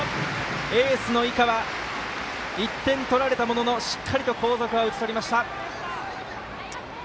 エースの井川１点取られたもののしっかりと後続は打ち取りました。